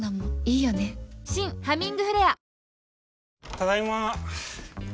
ただいま。